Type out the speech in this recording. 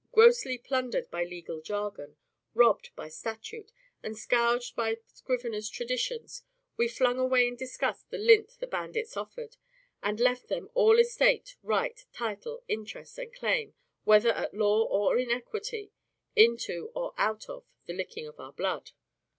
Grossly plundered by legal jargon, robbed by statute, and scourged by scriveners' traditions, we flung away in disgust the lint the bandits offered, and left them "all estate, right, title, interest, and claim, whether at law or in equity, in to or out of" the licking of our blood.